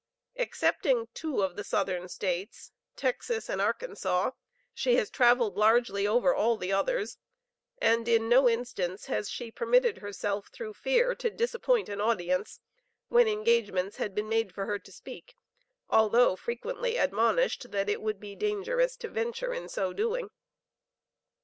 Excepting two of the Southern States (Texas and Arkansas), she has traveled largely over all the others, and in no instance has she permitted herself, through fear, to disappoint an audience, when engagements had been made for her to speak, although frequently admonished that it would be dangerous to venture in so doing.